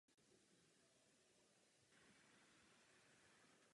Existují také situace, kdy musíme uvažovat o různých negativních opatřeních.